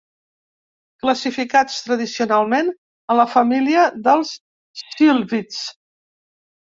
Classificats tradicionalment a la família dels sílvids.